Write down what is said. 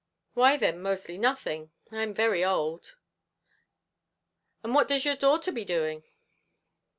"Why then mostly nothing; I'm very old." "And what does your daughter be doing?"